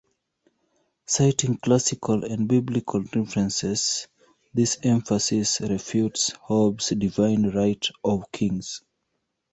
Citing classical and biblical references, this emphasis refutes Hobbes's divine right of kings.